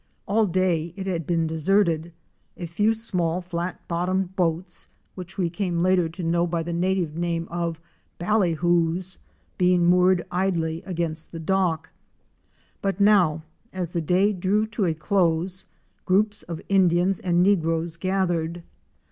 All day it had been deserted, a few small flat bottomed boats, which we came later to know by the native name of ballyhoos, being moored idly against the dock; but now as the day drew to a close, groups of Indians and negroes gathered.